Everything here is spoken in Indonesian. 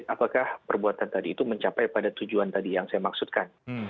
apakah perbuatan tadi itu mencapai pada tujuan tadi yang saya maksudkan